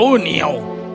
kau tahu antonio